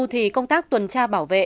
thì công tác tuần tra bảo vệ